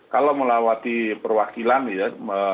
seperti perwakilan ya